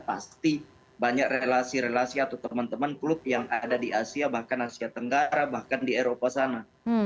pasti banyak relasi relasi atau teman teman klub yang ada di asia bahkan asia tenggara bahkan di eropa sana